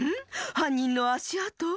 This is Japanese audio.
はんにんのあしあと？